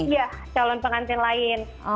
iya calon pengantin lain